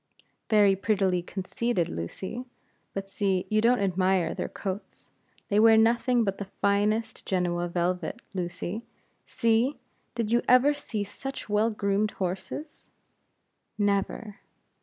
"Very prettily conceited, Lucy. But see, you don't admire their coats; they wear nothing but the finest Genoa velvet, Lucy. See! did you ever see such well groomed horses?" "Never!"